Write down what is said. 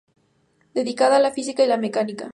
Dedicada a la Física y la Mecánica.